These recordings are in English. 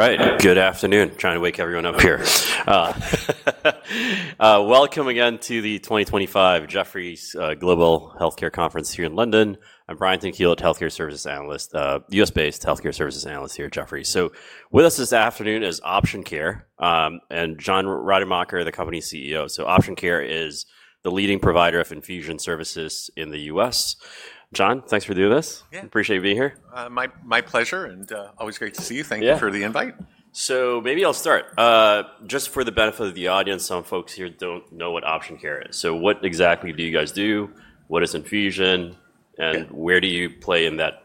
Right. Good afternoon. Trying to wake everyone up here. Welcome again to the 2025 Jefferies Global Healthcare Conference here in London. I'm Brian Thinkield, Healthcare Services Analyst, U.S.-based Healthcare Services Analyst here at Jefferies. With us this afternoon is Option Care Health and John Rademacher, the company CEO. Option Care Health is the leading provider of infusion services in the U.S. John, thanks for doing this. Appreciate you being here. My pleasure, and always great to see you. Thank you for the invite. Maybe I'll start just for the benefit of the audience. Some folks here don't know what Option Care is. What exactly do you guys do? What is infusion? Where do you play in that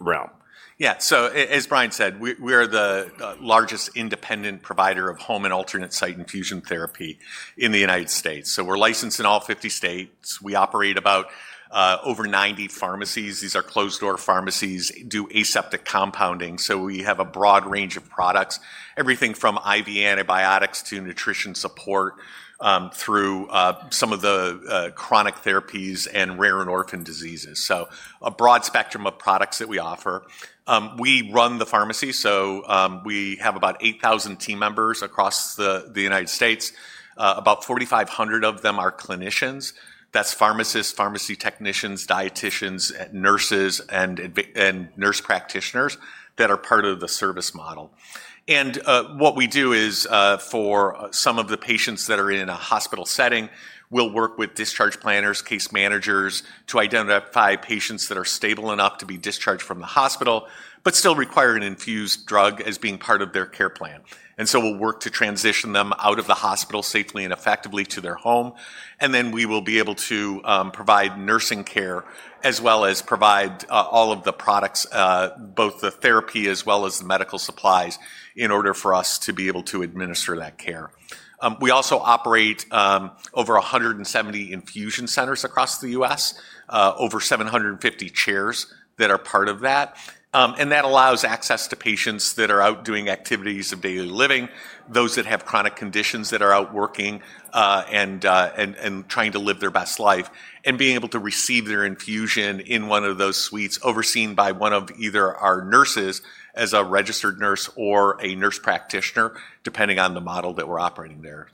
realm? Yeah. As Brian said, we are the largest independent provider of home and alternate site infusion therapy in the United States. We are licensed in all 50 states. We operate over 90 pharmacies. These are closed-door pharmacies. We do aseptic compounding. We have a broad range of products, everything from IV antibiotics to nutrition support through some of the chronic therapies and rare endorphin diseases. A broad spectrum of products that we offer. We run the pharmacy. We have about 8,000 team members across the United States. About 4,500 of them are clinicians. That is pharmacists, pharmacy technicians, dietitians, nurses, and nurse practitioners that are part of the service model. What we do is, for some of the patients that are in a hospital setting, we'll work with discharge planners, case managers to identify patients that are stable enough to be discharged from the hospital, but still require an infused drug as being part of their care plan. We work to transition them out of the hospital safely and effectively to their home. Then we will be able to provide nursing care as well as provide all of the products, both the therapy as well as the medical supplies, in order for us to be able to administer that care. We also operate over 170 infusion centers across the U.S., over 750 chairs that are part of that. That allows access to patients that are out doing activities of daily living, those that have chronic conditions that are out working and trying to live their best life, and being able to receive their infusion in one of those suites overseen by one of either our nurses as a registered nurse or a nurse practitioner, depending on the model that we're operating there.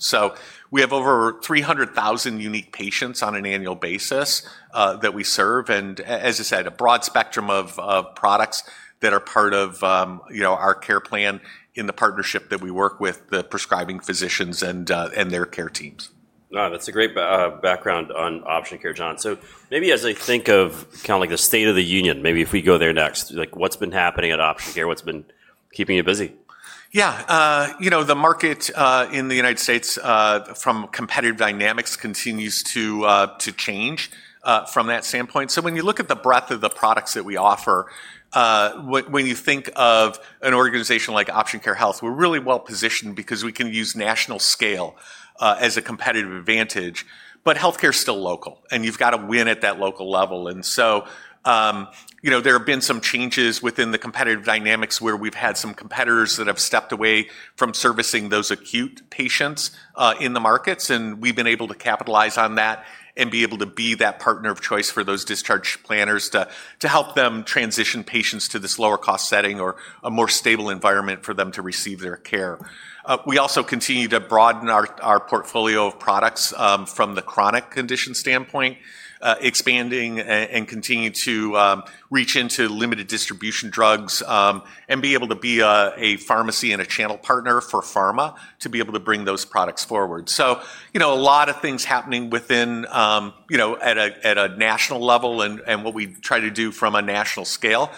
We have over 300,000 unique patients on an annual basis that we serve. As I said, a broad spectrum of products that are part of our care plan in the partnership that we work with the prescribing physicians and their care teams. That's a great background on Option Care, John. Maybe as I think of kind of like the state of the union, maybe if we go there next, what's been happening at Option Care? What's been keeping you busy? Yeah. You know, the market in the United States from competitive dynamics continues to change from that standpoint. When you look at the breadth of the products that we offer, when you think of an organization like Option Care Health, we're really well positioned because we can use national scale as a competitive advantage. Healthcare is still local, and you've got to win at that local level. There have been some changes within the competitive dynamics where we've had some competitors that have stepped away from servicing those acute patients in the markets. We've been able to capitalize on that and be able to be that partner of choice for those discharge planners to help them transition patients to this lower-cost setting or a more stable environment for them to receive their care. We also continue to broaden our portfolio of products from the chronic condition standpoint, expanding and continuing to reach into limited distribution drugs and be able to be a pharmacy and a channel partner for pharma to be able to bring those products forward. A lot of things happening at a national level and what we try to do from a national scale,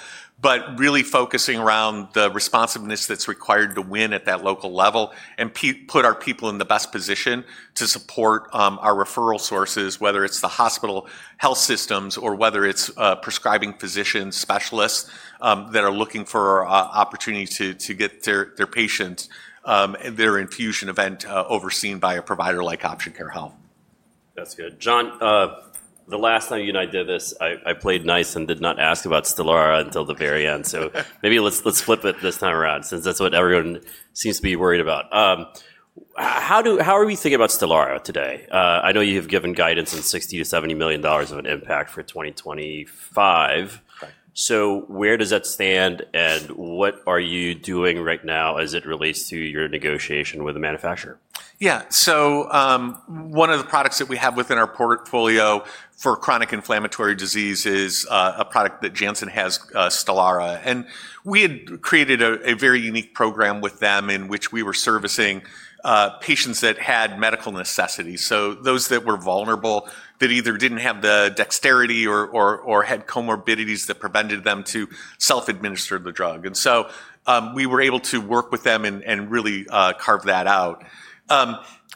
but really focusing around the responsiveness that's required to win at that local level and put our people in the best position to support our referral sources, whether it's the hospital health systems or whether it's prescribing physician specialists that are looking for opportunities to get their patients and their infusion event overseen by a provider like Option Care Health. That's good. John, the last time you and I did this, I played nice and did not ask about Stelara until the very end. Maybe let's flip it this time around since that's what everyone seems to be worried about. How are we thinking about Stelara today? I know you have given guidance on $60 million to $70 million of an impact for 2025. Where does that stand? What are you doing right now as it relates to your negotiation with the manufacturer? Yeah. One of the products that we have within our portfolio for chronic inflammatory disease is a product that Janssen has: Stelara. We had created a very unique program with them in which we were servicing patients that had medical necessities. Those that were vulnerable, that either did not have the dexterity or had comorbidities that prevented them from self-administering the drug. We were able to work with them and really carve that out.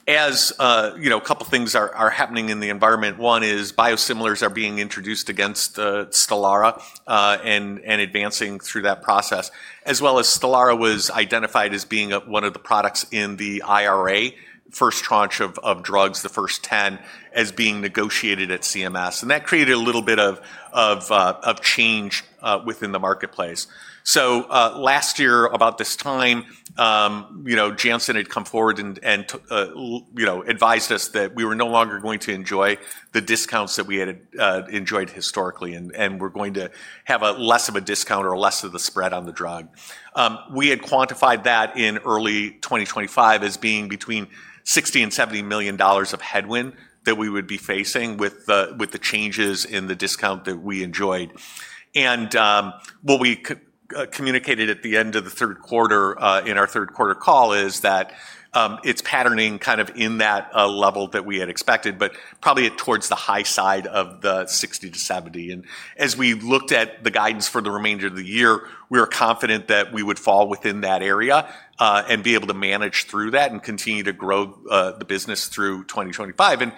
As a couple of things are happening in the environment, one is biosimilars are being introduced against Stelara and advancing through that process, as well as Stelara was identified as being one of the products in the IRA, first tranche of drugs, the first 10, as being negotiated at CMS. That created a little bit of change within the marketplace. Last year, about this time, Janssen had come forward and advised us that we were no longer going to enjoy the discounts that we had enjoyed historically, and we were going to have less of a discount or less of the spread on the drug. We had quantified that in early 2025 as being between $60 million and $70 million of headwind that we would be facing with the changes in the discount that we enjoyed. What we communicated at the end of the third quarter in our third quarter call is that it's patterning kind of in that level that we had expected, but probably towards the high side of the $60 million-$70 million. As we looked at the guidance for the remainder of the year, we were confident that we would fall within that area and be able to manage through that and continue to grow the business through 2025.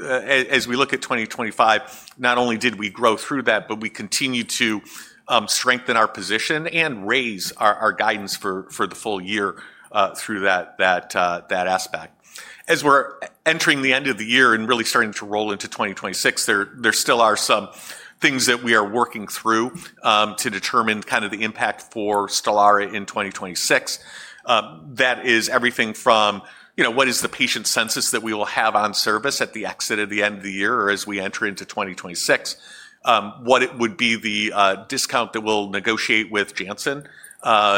As we look at 2025, not only did we grow through that, but we continued to strengthen our position and raise our guidance for the full year through that aspect. As we're entering the end of the year and really starting to roll into 2026, there still are some things that we are working through to determine kind of the impact for Stelara in 2026. That is everything from what is the patient census that we will have on service at the exit at the end of the year or as we enter into 2026, what it would be the discount that we'll negotiate with Janssen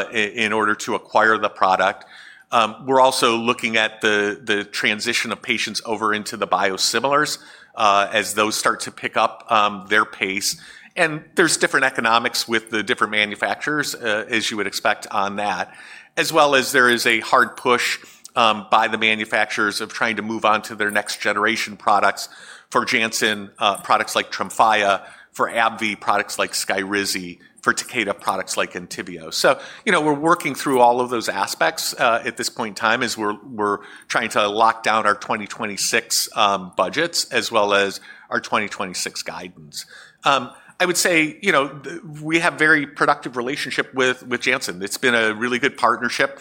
in order to acquire the product. We're also looking at the transition of patients over into the biosimilars as those start to pick up their pace. And there's different economics with the different manufacturers, as you would expect on that, as well as there is a hard push by the manufacturers of trying to move on to their next generation products for Janssen, products like Tremfya, for AbbVie, products like Skyrizi, for Takeda, products like Entyvio. We're working through all of those aspects at this point in time as we're trying to lock down our 2026 budgets as well as our 2026 guidance. I would say we have a very productive relationship with Janssen. It's been a really good partnership.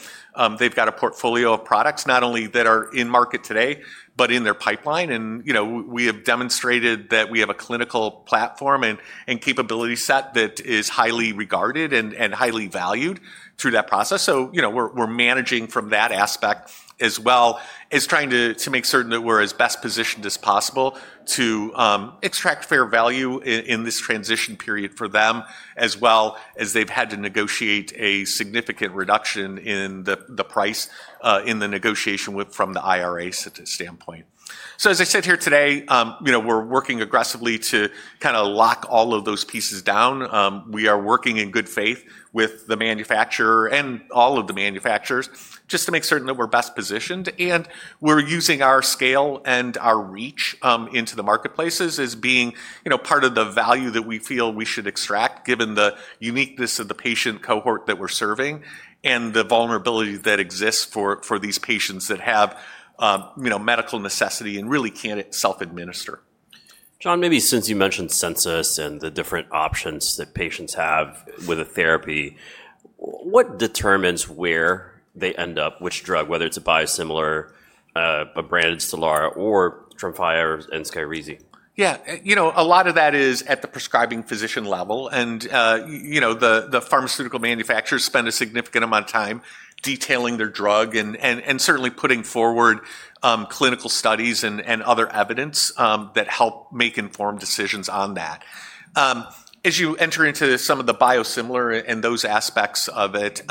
They've got a portfolio of products not only that are in market today, but in their pipeline. We have demonstrated that we have a clinical platform and capability set that is highly regarded and highly valued through that process. We are managing from that aspect as well as trying to make certain that we're as best positioned as possible to extract fair value in this transition period for them, as well as they've had to negotiate a significant reduction in the price in the negotiation from the IRA standpoint. As I sit here today, we're working aggressively to kind of lock all of those pieces down. We are working in good faith with the manufacturer and all of the manufacturers just to make certain that we're best positioned. We're using our scale and our reach into the marketplaces as being part of the value that we feel we should extract, given the uniqueness of the patient cohort that we're serving and the vulnerability that exists for these patients that have medical necessity and really can't self-administer. John, maybe since you mentioned census and the different options that patients have with a therapy, what determines where they end up, which drug, whether it's a biosimilar, a branded Stelara, or Tremfya or Skyrizi? Yeah. You know, a lot of that is at the prescribing physician level. The pharmaceutical manufacturers spend a significant amount of time detailing their drug and certainly putting forward clinical studies and other evidence that help make informed decisions on that. As you enter into some of the biosimilar and those aspects of it,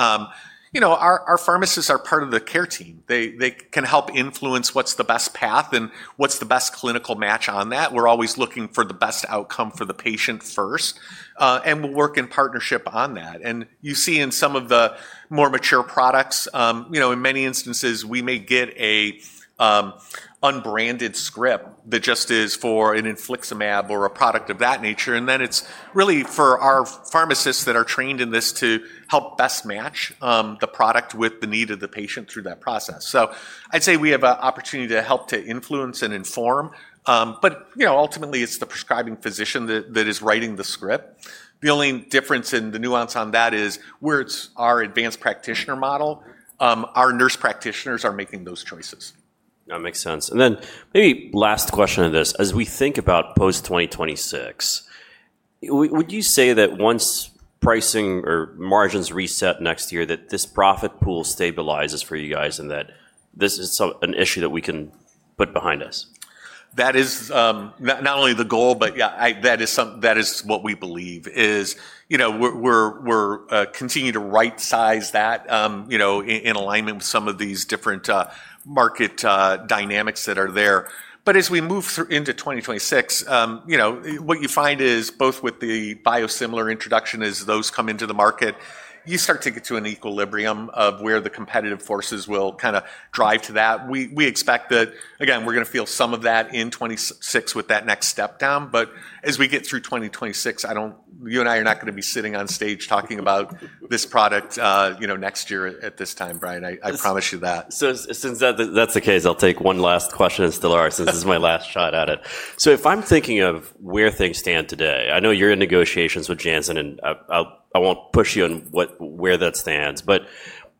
our pharmacists are part of the care team. They can help influence what's the best path and what's the best clinical match on that. We're always looking for the best outcome for the patient first, and we'll work in partnership on that. You see in some of the more mature products, in many instances, we may get an unbranded script that just is for an infliximab or a product of that nature. It is really for our pharmacists that are trained in this to help best match the product with the need of the patient through that process. I'd say we have an opportunity to help to influence and inform. Ultimately, it is the prescribing physician that is writing the script. The only difference and the nuance on that is where it is our advanced practitioner model, our nurse practitioners are making those choices. That makes sense. Maybe last question of this, as we think about post-2026, would you say that once pricing or margins reset next year, that this profit pool stabilizes for you guys and that this is an issue that we can put behind us? That is not only the goal, but yeah, that is what we believe is we're continuing to right-size that in alignment with some of these different market dynamics that are there. As we move into 2026, what you find is both with the biosimilar introduction as those come into the market, you start to get to an equilibrium of where the competitive forces will kind of drive to that. We expect that, again, we're going to feel some of that in 2026 with that next step down. As we get through 2026, you and I are not going to be sitting on stage talking about this product next year at this time, Brian. I promise you that. Since that's the case, I'll take one last question on Stelara since this is my last shot at it. If I'm thinking of where things stand today, I know you're in negotiations with Janssen, and I won't push you on where that stands.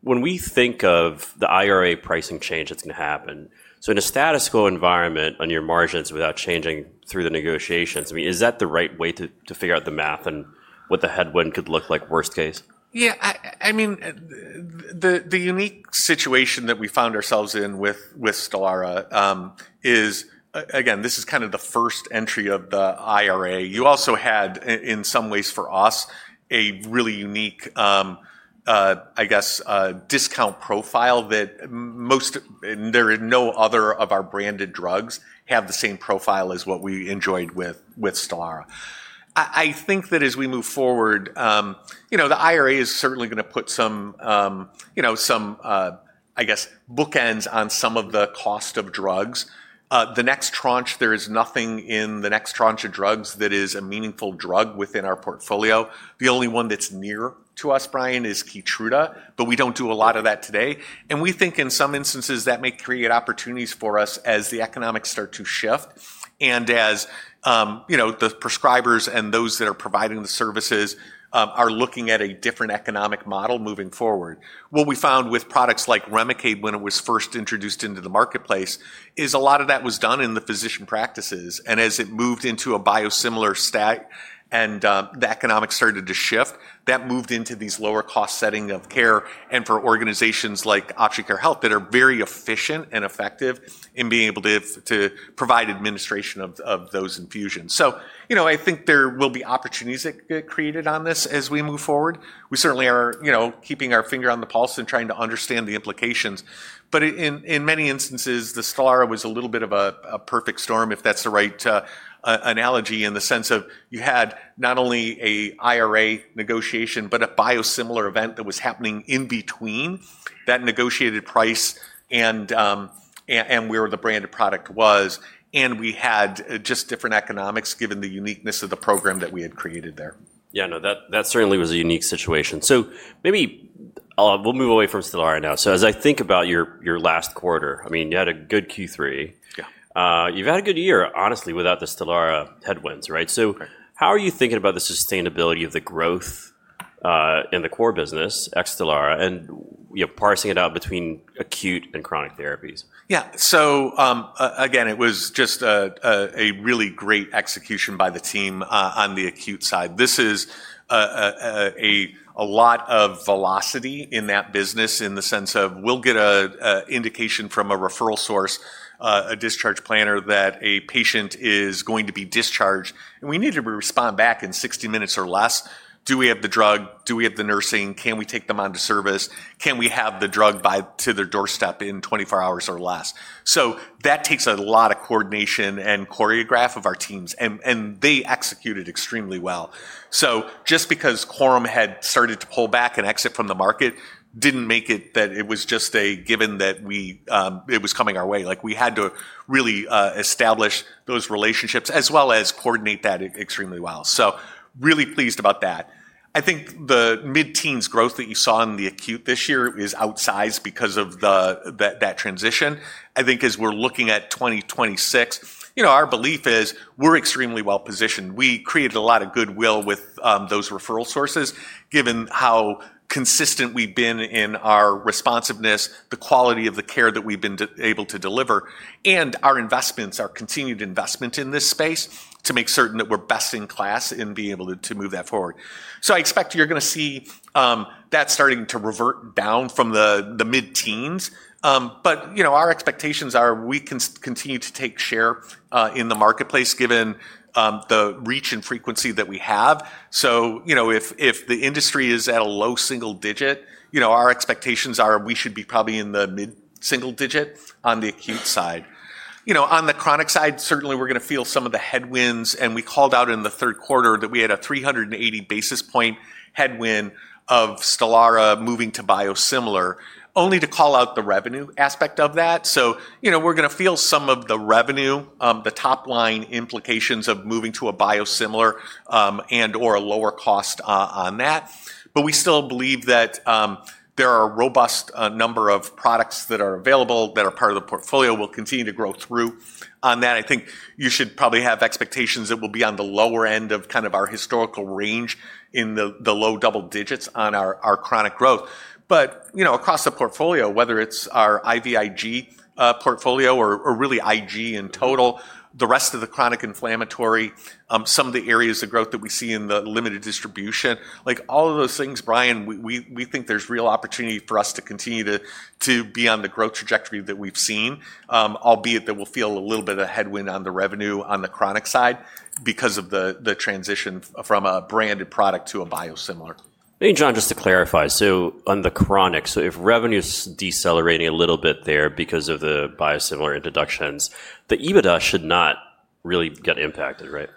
When we think of the IRA pricing change that's going to happen, in a status quo environment on your margins without changing through the negotiations, I mean, is that the right way to figure out the math and what the headwind could look like worst case? Yeah. I mean, the unique situation that we found ourselves in with Stelara is, again, this is kind of the first entry of the IRA. You also had, in some ways for us, a really unique, I guess, discount profile that there are no other of our branded drugs have the same profile as what we enjoyed with Stelara. I think that as we move forward, the IRA is certainly going to put some, I guess, bookends on some of the cost of drugs. The next tranche, there is nothing in the next tranche of drugs that is a meaningful drug within our portfolio. The only one that's near to us, Brian, is Keytruda, but we don't do a lot of that today. We think in some instances that may create opportunities for us as the economics start to shift and as the prescribers and those that are providing the services are looking at a different economic model moving forward. What we found with products like Remicade when it was first introduced into the marketplace is a lot of that was done in the physician practices. As it moved into a biosimilar stat and the economics started to shift, that moved into these lower-cost settings of care and for organizations like Option Care Health that are very efficient and effective in being able to provide administration of those infusions. I think there will be opportunities that get created on this as we move forward. We certainly are keeping our finger on the pulse and trying to understand the implications. In many instances, the Stelara was a little bit of a perfect storm, if that's the right analogy, in the sense of you had not only an IRA negotiation, but a biosimilar event that was happening in between that negotiated price and where the branded product was. We had just different economics given the uniqueness of the program that we had created there. Yeah, no, that certainly was a unique situation. Maybe we'll move away from Stelara now. As I think about your last quarter, I mean, you had a good Q3. You've had a good year, honestly, without the Stelara headwinds, right? How are you thinking about the sustainability of the growth in the core business, ex-Stelara, and parsing it out between acute and chronic therapies? Yeah. Again, it was just a really great execution by the team on the acute side. This is a lot of velocity in that business in the sense of we'll get an indication from a referral source, a discharge planner that a patient is going to be discharged. We need to respond back in 60 minutes or less. Do we have the drug? Do we have the nursing? Can we take them on to service? Can we have the drug by their doorstep in 24 hours or less? That takes a lot of coordination and choreograph of our teams. They executed extremely well. Just because Quorum had started to pull back and exit from the market did not make it that it was just a given that it was coming our way. We had to really establish those relationships as well as coordinate that extremely well. Really pleased about that. I think the mid-teens growth that you saw in the acute this year is outsized because of that transition. I think as we're looking at 2026, our belief is we're extremely well positioned. We created a lot of goodwill with those referral sources given how consistent we've been in our responsiveness, the quality of the care that we've been able to deliver, and our investments, our continued investment in this space to make certain that we're best in class in being able to move that forward. I expect you're going to see that starting to revert down from the mid-teens. Our expectations are we can continue to take share in the marketplace given the reach and frequency that we have. If the industry is at a low-single-digit, our expectations are we should be probably in the mid-single-digit on the acute side. On the chronic side, certainly we're going to feel some of the headwinds. We called out in the third quarter that we had a 380 basis point headwind of Stelara moving to biosimilar, only to call out the revenue aspect of that. We're going to feel some of the revenue, the top-line implications of moving to a biosimilar and/or a lower cost on that. We still believe that there are a robust number of products that are available that are part of the portfolio. We'll continue to grow through on that. I think you should probably have expectations that we'll be on the lower end of kind of our historical range in the low-double-digits on our chronic growth. Across the portfolio, whether it's our IVIG portfolio or really IG in total, the rest of the chronic inflammatory, some of the areas of growth that we see in the limited distribution, all of those things, Brian, we think there's real opportunity for us to continue to be on the growth trajectory that we've seen, albeit that we'll feel a little bit of a headwind on the revenue on the chronic side because of the transition from a branded product to a biosimilar. Maybe, John, just to clarify, so on the chronic, so if revenue is decelerating a little bit there because of the biosimilar introductions, the EBITDA should not really get impacted, right?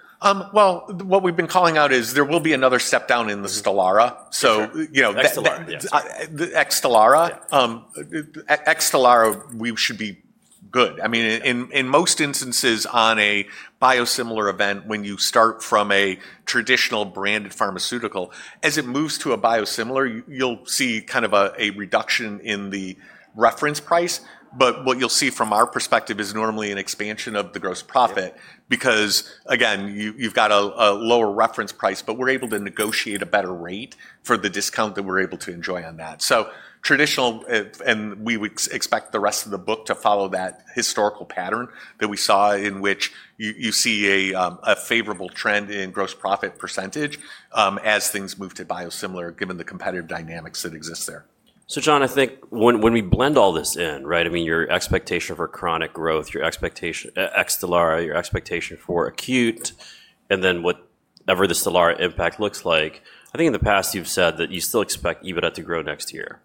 What we've been calling out is there will be another step down in the Stelara. Ex-Stelara. Ex-Stelara. Ex-Stelara, we should be good. I mean, in most instances on a biosimilar event, when you start from a traditional branded pharmaceutical, as it moves to a biosimilar, you'll see kind of a reduction in the reference price. What you'll see from our perspective is normally an expansion of the gross profit because, again, you've got a lower reference price, but we're able to negotiate a better rate for the discount that we're able to enjoy on that. Traditional, and we would expect the rest of the book to follow that historical pattern that we saw in which you see a favorable trend in gross profit percentage as things move to biosimilar given the competitive dynamics that exist there. John, I think when we blend all this in, right, I mean, your expectation for chronic growth, your expectation Ex-Stelara, your expectation for acute, and then whatever the Stelara impact looks like, I think in the past you've said that you still expect EBITDA to grow next year.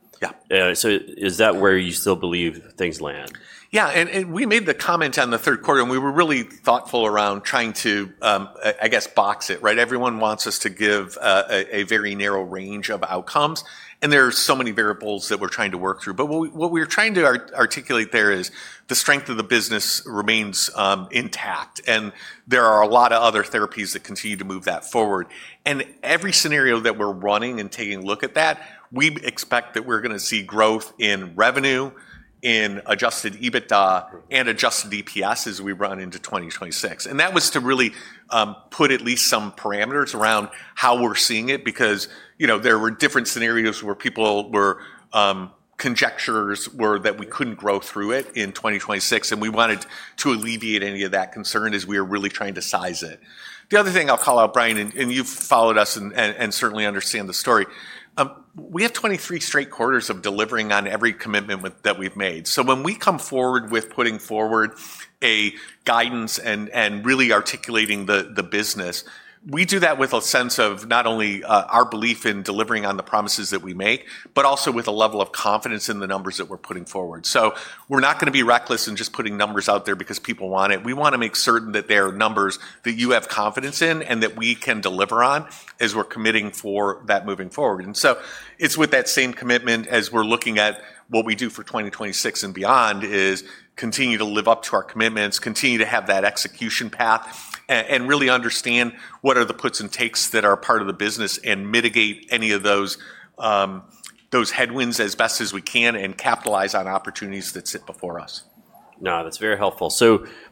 Yeah. Is that where you still believe things land? Yeah. We made the comment on the third quarter, and we were really thoughtful around trying to, I guess, box it, right? Everyone wants us to give a very narrow range of outcomes. There are so many variables that we're trying to work through. What we're trying to articulate there is the strength of the business remains intact. There are a lot of other therapies that continue to move that forward. Every scenario that we're running and taking a look at that, we expect that we're going to see growth in revenue, in adjusted EBITDA, and adjusted EPS as we run into 2026. That was to really put at least some parameters around how we're seeing it because there were different scenarios where people were conjectures that we couldn't grow through it in 2026. We wanted to alleviate any of that concern as we were really trying to size it. The other thing I'll call out, Brian, and you've followed us and certainly understand the story. We have 23 straight quarters of delivering on every commitment that we've made. When we come forward with putting forward a guidance and really articulating the business, we do that with a sense of not only our belief in delivering on the promises that we make, but also with a level of confidence in the numbers that we're putting forward. We are not going to be reckless in just putting numbers out there because people want it. We want to make certain that there are numbers that you have confidence in and that we can deliver on as we're committing for that moving forward. It is with that same commitment as we are looking at what we do for 2026 and beyond to continue to live up to our commitments, continue to have that execution path, and really understand what are the puts and takes that are part of the business and mitigate any of those headwinds as best as we can and capitalize on opportunities that sit before us. No, that's very helpful.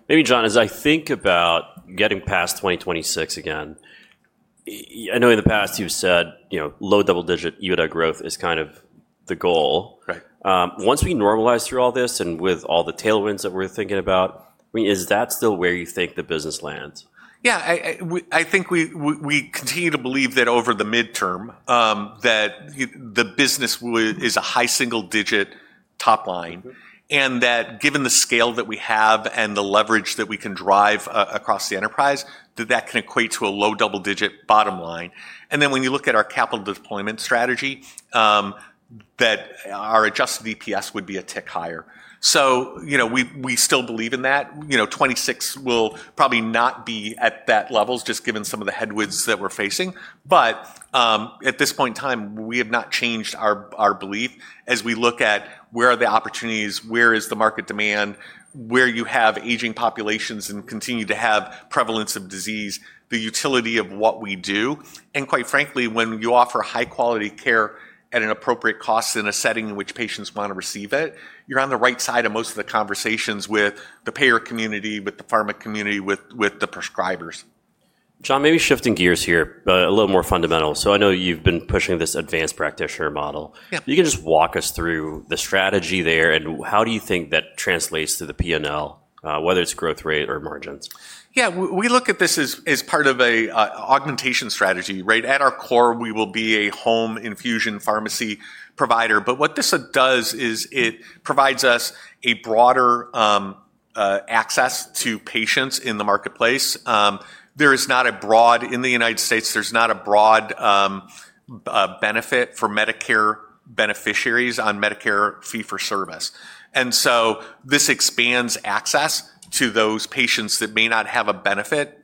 Maybe, John, as I think about getting past 2026 again, I know in the past you've said low double-digit EBITDA growth is kind of the goal. Once we normalize through all this and with all the tailwinds that we're thinking about, I mean, is that still where you think the business lands? Yeah. I think we continue to believe that over the midterm that the business is a high single-digit top line and that given the scale that we have and the leverage that we can drive across the enterprise, that that can equate to a low double-digit bottom line. When you look at our capital deployment strategy, that our adjusted EPS would be a tick higher. We still believe in that. 2026 will probably not be at that level just given some of the headwinds that we're facing. At this point in time, we have not changed our belief as we look at where are the opportunities, where is the market demand, where you have aging populations and continue to have prevalence of disease, the utility of what we do. Quite frankly, when you offer high-quality care at an appropriate cost in a setting in which patients want to receive it, you're on the right side of most of the conversations with the payer community, with the pharma community, with the prescribers. John, maybe shifting gears here, a little more fundamental. I know you've been pushing this advanced practitioner model. You can just walk us through the strategy there and how do you think that translates to the P&L, whether it's growth rate or margins? Yeah. We look at this as part of an augmentation strategy, right? At our core, we will be a home infusion pharmacy provider. What this does is it provides us a broader access to patients in the marketplace. There is not a broad, in the United States, there is not a broad benefit for Medicare beneficiaries on Medicare Fee-For-Service. This expands access to those patients that may not have a benefit.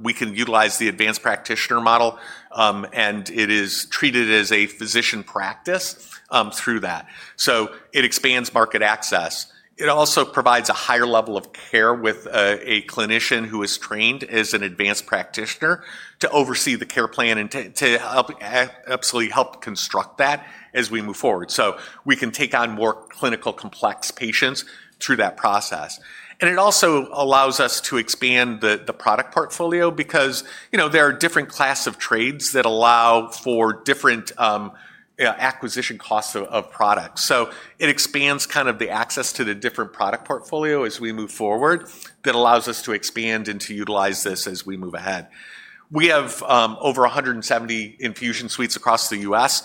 We can utilize the advanced practitioner model, and it is treated as a physician practice through that. It expands market access. It also provides a higher level of care with a clinician who is trained as an advanced practitioner to oversee the care plan and to absolutely help construct that as we move forward. We can take on more clinical complex patients through that process. It also allows us to expand the product portfolio because there are different classes of trades that allow for different acquisition costs of products. It expands kind of the access to the different product portfolio as we move forward that allows us to expand and to utilize this as we move ahead. We have over 170 infusion suites across the U.S.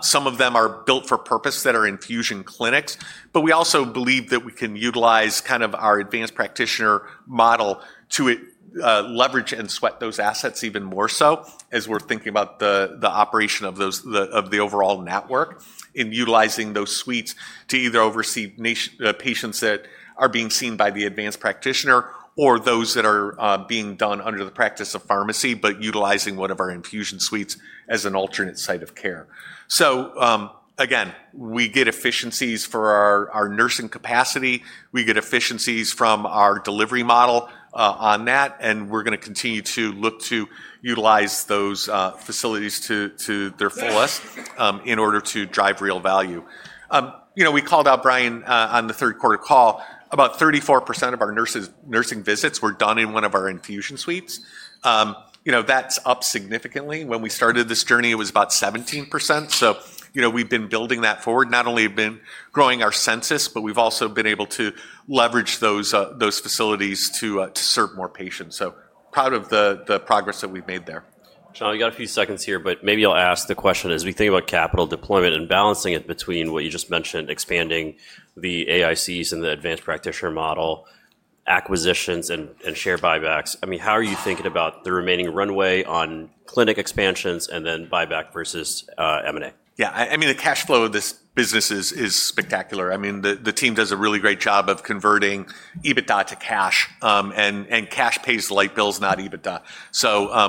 Some of them are built for purpose that are infusion clinics. We also believe that we can utilize kind of our advanced practitioner model to leverage and sweat those assets even more so as we're thinking about the operation of the overall network and utilizing those suites to either oversee patients that are being seen by the advanced practitioner or those that are being done under the practice of pharmacy, but utilizing one of our infusion suites as an alternate site of care. We get efficiencies for our nursing capacity. We get efficiencies from our delivery model on that. We're going to continue to look to utilize those facilities to their fullest in order to drive real value. We called out, Brian, on the third quarter call, about 34% of our nursing visits were done in one of our infusion suites. That's up significantly. When we started this journey, it was about 17%. We've been building that forward, not only been growing our census, but we've also been able to leverage those facilities to serve more patients. Proud of the progress that we've made there. John, we've got a few seconds here, but maybe I'll ask the question as we think about capital deployment and balancing it between what you just mentioned, expanding the AICs and the advanced practitioner model, acquisitions, and share buybacks. I mean, how are you thinking about the remaining runway on clinic expansions and then buyback versus M&A? Yeah. I mean, the cash flow of this business is spectacular. I mean, the team does a really great job of converting EBITDA to cash. And cash pays the light bills, not EBITDA.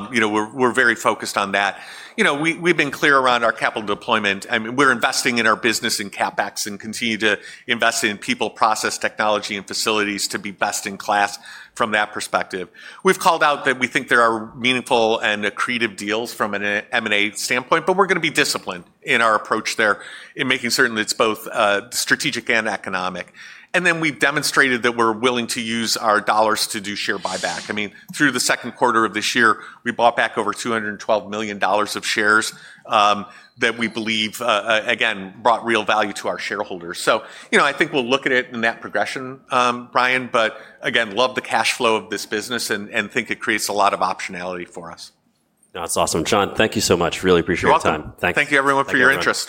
We are very focused on that. We have been clear around our capital deployment. I mean, we are investing in our business and CapEx and continue to invest in people, process, technology, and facilities to be best in class from that perspective. We have called out that we think there are meaningful and accretive deals from an M&A standpoint, but we are going to be disciplined in our approach there in making certain that it is both strategic and economic. We have demonstrated that we are willing to use our dollars to do share buyback. I mean, through the second quarter of this year, we bought back over $212 million of shares that we believe, again, brought real value to our shareholders. I think we'll look at it in that progression, Brian, but again, love the cash flow of this business and think it creates a lot of optionality for us. That's awesome. John, thank you so much. Really appreciate your time. You're welcome. Thank you, everyone, for your interest.